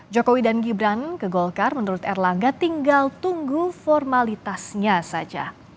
jokowi dan gibran ke golkar menurut erlangga tinggal tunggu formalitasnya saja